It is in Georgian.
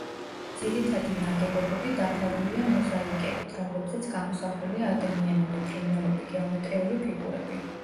ძირითადი ნაგებობები დაფარულია მოზაიკებით, რომლებზეც გამოსახულია ადამიანები, ფრინველები, გეომეტრიული ფიგურები.